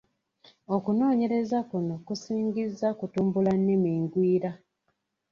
Okunoonyereza kuno kusingizza kutumbula nnimi ngwira.